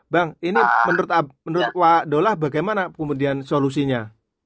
bang ini menurut wak dola bagaimana kemudian solusinya